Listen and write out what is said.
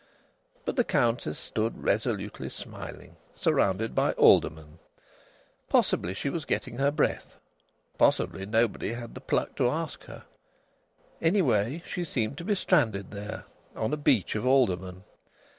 but the Countess stood resolutely smiling, surrounded by aldermen. Possibly she was getting her breath; possibly nobody had had the pluck to ask her. Anyhow, she seemed to be stranded there, on a beach of aldermen.